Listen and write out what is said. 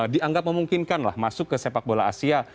dianggap memungkinkan lah masuk ke sepak bola asia